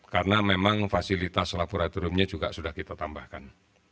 karena memang fasilitas laboratoriumnya juga sudah kita tambahkan